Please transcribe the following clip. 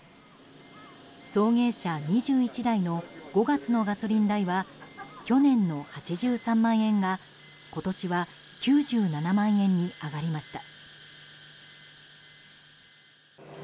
送迎車２１台の５月のガソリン代は去年の８３万円が今年は９７万円に上がりました。